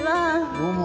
どうも。